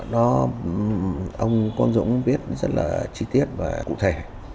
nó ông quang dũng viết rất là chi tiết và cụ thể